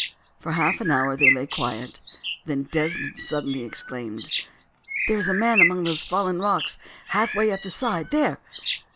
For half an hour they lay quiet, then Desmond suddenly exclaimed: "There is a man among those fallen rocks half way up the side. There!